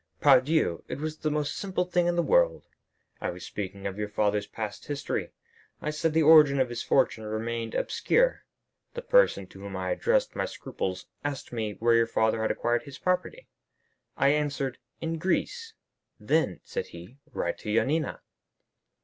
"Pardieu! it was the most simple thing in the world. I was speaking of your father's past history. I said the origin of his fortune remained obscure. The person to whom I addressed my scruples asked me where your father had acquired his property? I answered, 'In Greece.'—'Then,' said he, 'write to Yanina.